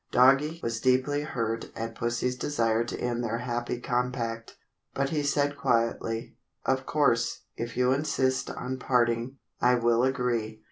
Doggie was deeply hurt at Pussie's desire to end their happy compact, but he said quietly, "Of course, if you insist on parting, I will agree."